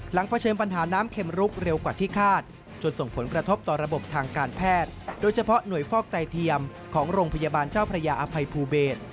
เผชิญปัญหาน้ำเข็มลุกเร็วกว่าที่คาดจนส่งผลกระทบต่อระบบทางการแพทย์โดยเฉพาะหน่วยฟอกไตเทียมของโรงพยาบาลเจ้าพระยาอภัยภูเบศ